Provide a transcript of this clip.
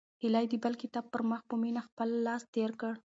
هیلې د بل کتاب پر مخ په مینه خپل لاس تېر کړ.